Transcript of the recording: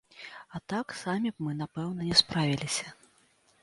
А так, самі б мы, напэўна, не справіліся.